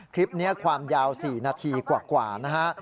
คลิปนี้ความยาว๔นาทีกว่านะฮะ